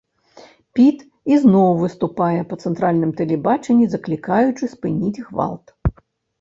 Піт ізноў выступае па цэнтральным тэлебачанні, заклікаючы спыніць гвалт.